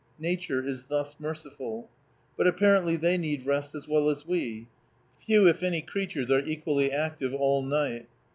Nature is thus merciful. But apparently they need rest as well as we. Few, if any, creatures are equally active all night.